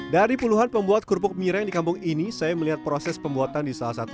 dari puluhan pembuat kerupuk mireng di kampung ini saya melihat proses pembuatan di salah satu